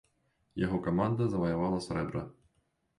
Яго каманда заваявала срэбра.